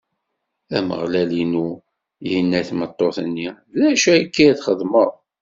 Ameɣlal Illu yenna i tmeṭṭut-nni: D acu akka i txedmeḍ?